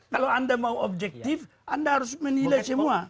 kalau anda mau objektif anda harus menilai semua